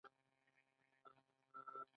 ایا زه باید درس ورکړم؟